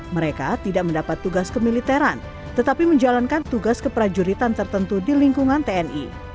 mereka tidak mendapat tugas kemiliteran tetapi menjalankan tugas keprajuritan tertentu di lingkungan tni